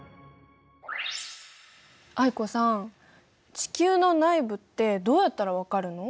地球の内部ってどうやったら分かるの？